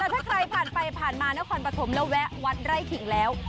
ถ้าใครผ่านไปผ่านมานครปฐมแล้วแวะวัดไร่ขิงแล้ว